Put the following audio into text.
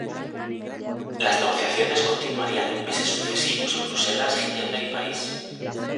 Las negociaciones continuarían en meses sucesivos en Bruselas, Ginebra y París.